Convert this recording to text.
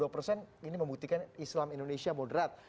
tujuh puluh dua persen ini membuktikan islam indonesia modern